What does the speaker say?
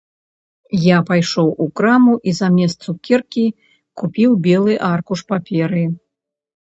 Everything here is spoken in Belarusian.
Я пайшоў у краму і замест цукеркі купіў белы аркуш паперы.